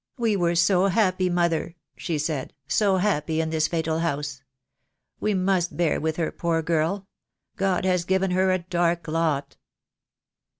'We were so happy, mother,' she said, 'so happy in this fatal house.' We must bear with her, poor girl. God has given her a dark lot."